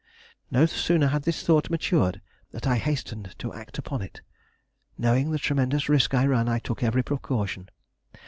No sooner had this thought matured than I hastened to act upon it. Knowing the tremendous risk I ran, I took every precaution.